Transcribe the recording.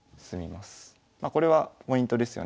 まこれはポイントですよね。